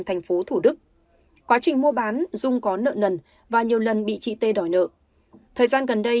thành phố thủ đức quá trình mua bán dung có nợ nần và nhiều lần bị chị t đòi nợ thời gian gần đây